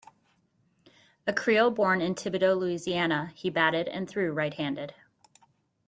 A Creole born in Thibodaux, Louisiana, he batted and threw right-handed.